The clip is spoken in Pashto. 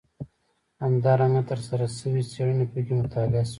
همدارنګه ترسره شوې څېړنې پکې مطالعه شوي.